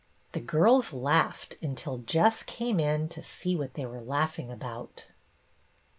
The girls laughed until Jess came in to see what they were laughing about.